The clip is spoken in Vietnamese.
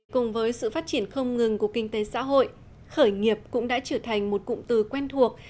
cùng với sự phát triển không ngừng của kinh tế xã hội khởi nghiệp cũng đã trở thành một cụm từ quen thuộc